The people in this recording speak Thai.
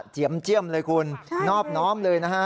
เจียมเลยคุณนอบเลยนะฮะ